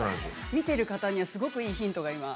見ている方にはすごくヒントが。